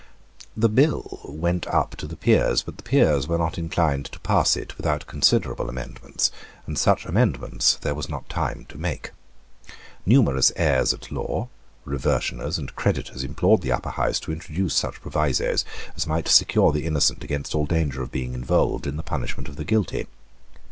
The bill went up to the Peers, but the Peers were not inclined to pass it without considerable amendments; and such amendments there was not time to make. Numerous heirs at law, reversioners, and creditors implored the Upper House to introduce such provisoes as might secure the innocent against all danger of being involved in the punishment of the guilty.